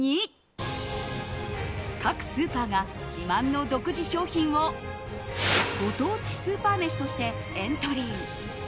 各スーパーが自慢の独自商品をご当地スーパーめしとしてエントリー。